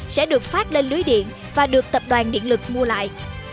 sẽ được phát lên lưới điện và được tập đoàn điện lực mua lại